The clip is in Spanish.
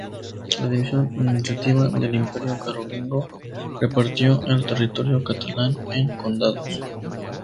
La división administrativa del Imperio Carolingio repartió el territorio catalán en condados.